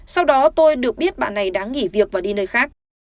sau đó tôi được biết bạn này đã nghỉ việc và đi nơi khác